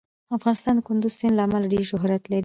افغانستان د کندز سیند له امله ډېر شهرت لري.